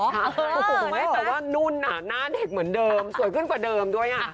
ใช่แต่ว่านุ่นหน้าเด็กเหมือนเดิมสวยขึ้นกว่าเดิมด้วยอ่ะ